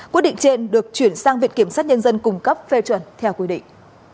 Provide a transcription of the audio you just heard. quy định trên được chuyển sang việt kiểm sát nhân dân cung cấp phê chuẩn theo quy định